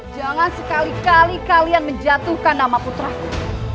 jangan sekali kali kalian menjatuhkan nama putraku